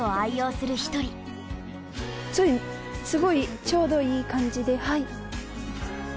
すごいちょうどいい感じではい。